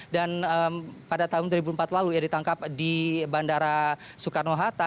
dan pada tahun dua ribu empat lalu dia ditangkap di bandara soekarno hatta